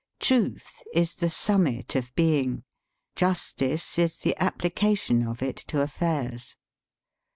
Truth is the summit of being: justice is the application of it to affairs.